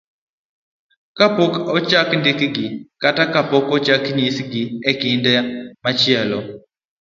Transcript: kapok ochak ndikgi, kata kapok ochak nyisgi e kinde machielo.